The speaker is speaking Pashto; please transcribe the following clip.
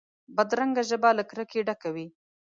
بدرنګه ژبه له کرکې ډکه وي